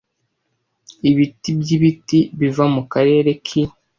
Ibiti by'ibiti biva mu karere ki